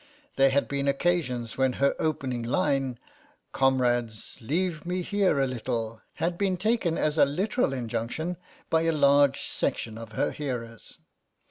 There had been occasions when her opening line, " Comrades, leave me here a little," had been taken as a literal injunction by a large section of her hearers.